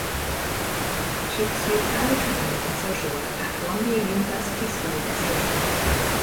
She pursued further training in social work at Columbia University School of Social Work.